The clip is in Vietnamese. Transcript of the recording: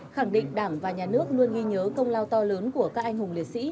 khẳng định đảng và nhà nước luôn ghi nhớ công lao to lớn của các anh hùng liệt sĩ